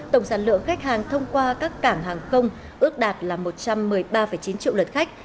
tổng sản lượng khách hàng thông qua các cảng hàng không ước đạt là một trăm một mươi ba chín triệu lượt khách